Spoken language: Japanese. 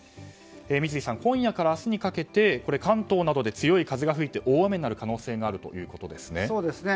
三井さん、今夜から明日にかけて関東などで強い風が吹いて大雨になる可能性があるということですね。